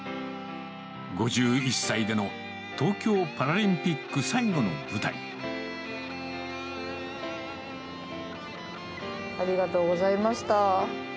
５１歳での東京パラリンピッありがとうございました。